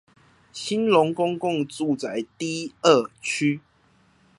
興隆公共住宅 D 二區